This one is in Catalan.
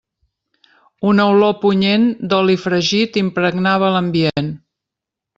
Una olor punyent d'oli fregit impregnava l'ambient.